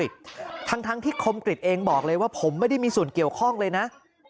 แต่ว่าผมไม่ได้มีส่วนเกี่ยวข้องเลยนะ